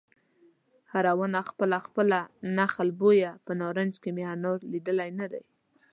هره ونه خپله خپله نخل بویه په نارنج کې مې انار لیدلی نه دی